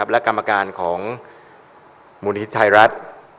และกรรมการของมูลนิธิไทยรัฐ